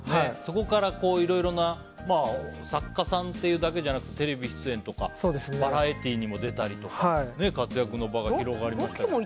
そこからいろいろな作家さんっていうだけじゃなくてテレビ出演とかバラエティーにも出たりとか活躍の場が広がりましたけど。